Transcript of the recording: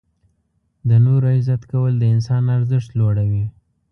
• د نورو عزت کول د انسان ارزښت لوړوي.